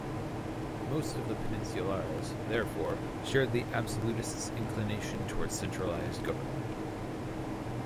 Most of the "peninsulares", therefore, shared the absolutists' inclination towards centralized government.